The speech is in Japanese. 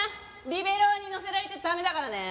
リベロウにのせられちゃダメだからね！